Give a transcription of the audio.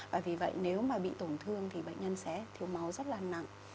và vì vậy nếu mà bị tổn thương thì bệnh nhân sẽ thiếu máu rất là nặng